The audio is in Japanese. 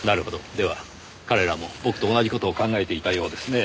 では彼らも僕と同じ事を考えていたようですねぇ。